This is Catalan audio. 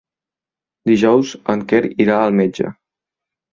Dijous en Quer irà al metge.